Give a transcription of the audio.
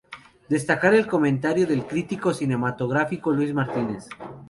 Destacar el comentario del crítico cinematográfico Luis Martínez.